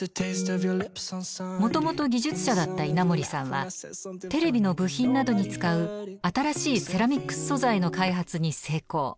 もともと技術者だった稲盛さんはテレビの部品などに使う新しいセラミックス素材の開発に成功。